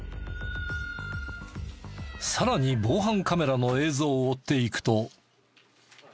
さらに防犯カメラの映像を追っていくと。